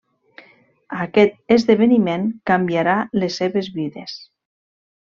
Aquest esdeveniment canviarà les seves vides.